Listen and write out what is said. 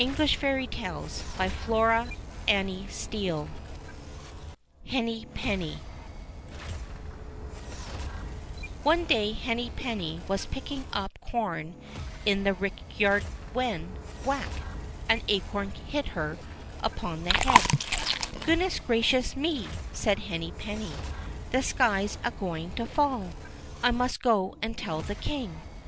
And say, "Alas, Tom Thumb is dead I" HENNY PENNY ONE day Henny penny was picking up corn in the rickyard when — whack !— an acorn hit her upon the head. "Goodness gracious me!" said Henny penny; "the sky's a going to fall; I must go and tell the King."